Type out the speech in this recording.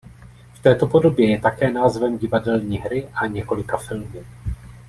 V této podobě je také názvem divadelní hry a několika filmů.